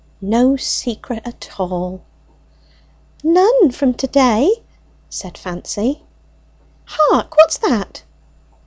no secret at all." "None from to day," said Fancy. "Hark! what's that?"